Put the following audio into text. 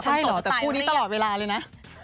ใช่เหรอแต่คู่นี้ตลอดเวลาเลยนะ